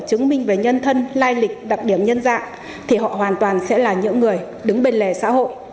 chứng minh về nhân thân lai lịch đặc điểm nhân dạng thì họ hoàn toàn sẽ là những người đứng bên lề xã hội